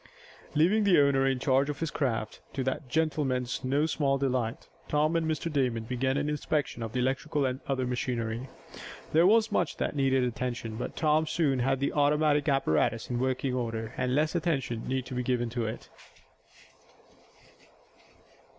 Leaving the owner in charge of his craft, to that gentleman's no small delight, Tom and Mr. Damon began an inspection of the electrical and other machinery. There was much that needed attention, but Tom soon had the automatic apparatus in working order, and then less attention need be given to it.